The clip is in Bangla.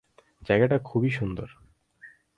জায়গাটা খুবই সুন্দর।